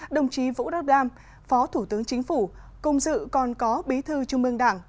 đồng chí vũ đắc đam phó thủ tướng chính phủ cùng dự còn có bí thư trung mương đảng